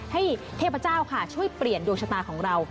เทพเจ้าค่ะช่วยเปลี่ยนดวงชะตาของเรา